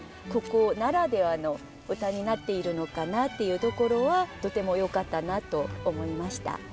ここならではの歌になっているのかなっていうところはとてもよかったなと思いました。